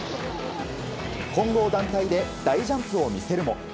混合団体で大ジャンプを見せるも。